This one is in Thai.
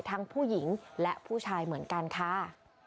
ทั้งผู้หญิงและผู้ชายเหมือนกันค่ะ